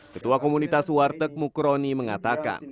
ketua komunitas warteg mukroni mengatakan